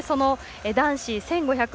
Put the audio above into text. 男子１５００